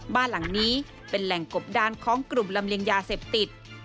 บ้านหลังนี้เป็นแหล่งกบดานของกลุ่มลำเลียงยาเสพติด